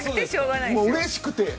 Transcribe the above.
うれしくて。